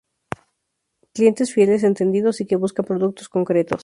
Clientes fieles, entendidos, y que buscan productos concretos.